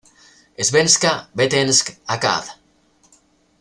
Svenska Vetensk.-Akad.